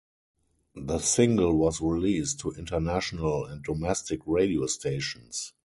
The single was released to international and domestic radio stations.